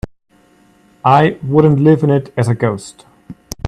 I wouldn't live in it as a ghost.